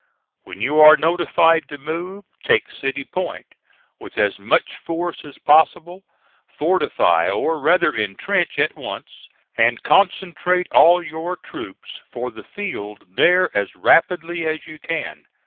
"When you are notified to move, take City Point with as much force as possible. Fortify, or rather intrench, at once, and concentrate all your troops for the field there as rapidly as you can.